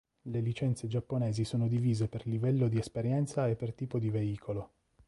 Le licenze giapponesi sono divise per livello di esperienza e per tipo di veicolo.